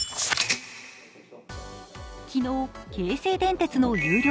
昨日、京成電鉄の有料